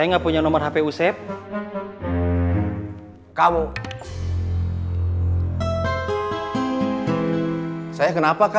gak ada yang kabur